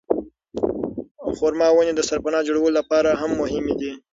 خورما ونې د سرپناه جوړولو لپاره هم مهمې دي.